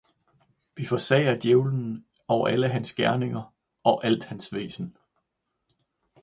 Vi forsager Djævelen og alle hans gerninger og alt hans væsen.